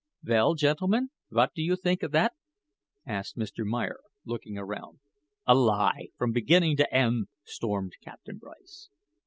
"Vell, gentlemen, vwhat do you think of that?" asked Mr. Meyer, looking around. "A lie, from beginning to end," stormed Captain Bryce.